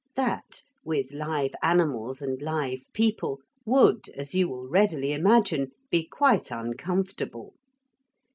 That, with live animals and live people, would, as you will readily imagine, be quite uncomfortable.